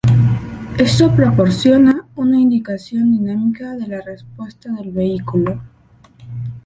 Esto proporciona una indicación dinámica de la respuesta del vehículo.